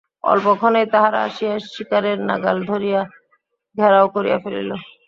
অল্পক্ষণেই তাহারা আসিয়া শিকারের নাগাল ধরিয়া ঘেরাও করিয়া ফেলিল।